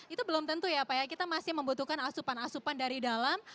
itu belum tentu ya pak ya kita masih membutuhkan asupan asupan dari dalam